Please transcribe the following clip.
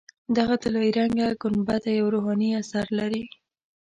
دغه طلایي رنګه ګنبده یو روحاني اثر لري.